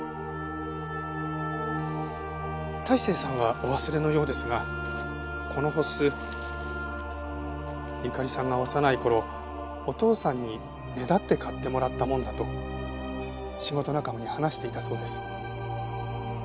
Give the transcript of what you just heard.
泰生さんはお忘れのようですがこの払子ゆかりさんが幼い頃お父さんにねだって買ってもらったものだと仕事仲間に話していたそうです。